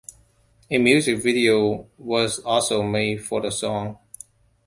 A music video was also made for the song.